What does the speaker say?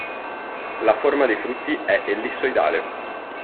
La forma dei frutti è ellissoidale.